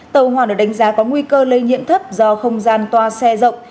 tàu hoàng được đánh giá có nguy cơ lây nhiệm thấp do không gian toa xe rộng